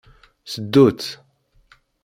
Seddu-tt.